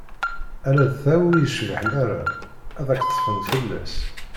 Ala d ta ur yecbiḥen ara, ad ak-ṭfen fell-as.